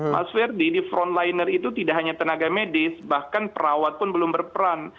mas ferdi di frontliner itu tidak hanya tenaga medis bahkan perawat pun belum berperan